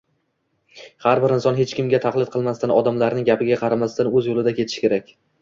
Har bir inson hech kimga taqlid qilmasdan, odamlarning gapiga qaramasdan õz yõlida ketishi kerak